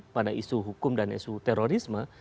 pada isu hukum dan isu terorisme